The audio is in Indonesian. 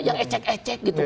yang ecek ecek gitu